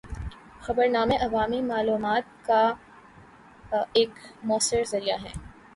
خبرنامے عوامی معلومات کا ایک مؤثر ذریعہ ہیں۔